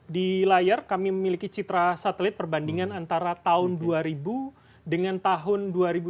di layar kami memiliki citra satelit perbandingan antara tahun dua ribu dengan tahun dua ribu dua puluh